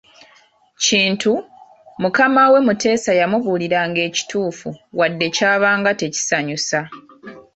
Kintu, mukamawe Muteesa yamubuliranga ekituufu wadde kyabanga tekisanyusa.